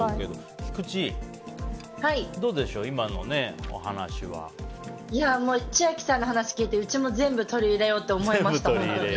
菊地、どうでしょう千秋さんの話聞いてうちも全部取り入れようって思いました。